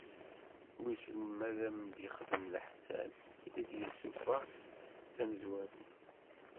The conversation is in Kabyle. "Wissen ma ad am-yexdem leḥsan", i d-yessufeɣ d tamezwarut.